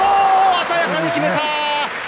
鮮やかに決めた！